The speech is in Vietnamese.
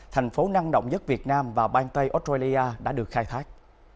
thành phố năng động nhất việt nam và bang tây australia đã được khai thác